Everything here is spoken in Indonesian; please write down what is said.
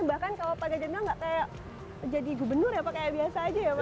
bahkan kalau pak ganjar bilang gak kayak jadi gubernur ya pak kayak biasa aja ya pak